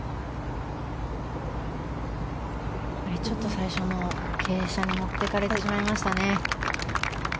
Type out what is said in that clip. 最初の傾斜に持ってかれてしまいましたね。